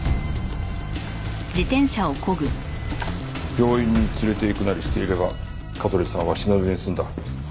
病院に連れていくなりしていれば香取さんは死なずに済んだ。